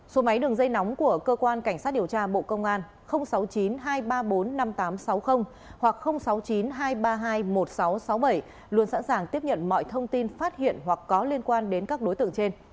số máy đường dây nóng của cơ quan cảnh sát điều tra bộ công an sáu mươi chín hai trăm ba mươi bốn năm nghìn tám trăm sáu mươi hoặc sáu mươi chín hai trăm ba mươi hai một nghìn sáu trăm sáu mươi bảy luôn sẵn sàng tiếp nhận mọi thông tin phát hiện hoặc có liên quan đến các đối tượng trên